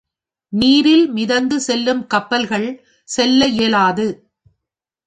நீரில் மிதந்து செல்லும் கப்பல்கள் செல்ல இயலாது.